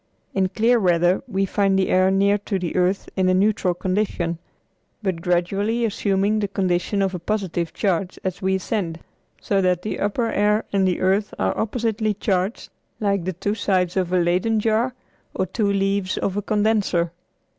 In clear weather we find the air near to the earth in a neutral condition, but gradually assuming the condition of a positive charge as we ascend; so that the upper air and the earth are oppositely charged like the two sides of a Leyden jar or two leaves of a condenser.